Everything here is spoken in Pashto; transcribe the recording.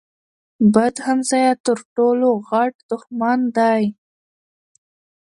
بد همسایه تر ټولو غټ دښمن دی.